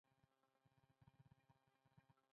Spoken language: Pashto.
دا زما ورور ده مه لیکئ.